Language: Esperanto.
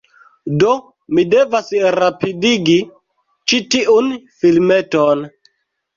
Do mi devas rapidigi ĉi tiun filmeton.